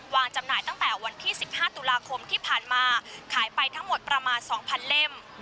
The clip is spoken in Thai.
จำหน่ายตั้งแต่วันที่๑๕ตุลาคมที่ผ่านมาขายไปทั้งหมดประมาณ๒๐๐เล่ม